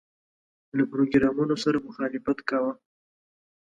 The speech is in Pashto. له پروګرامونو سره مخالفت کاوه.